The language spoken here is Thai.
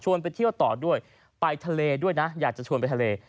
ไปเที่ยวต่อด้วยไปทะเลด้วยนะอยากจะชวนไปทะเล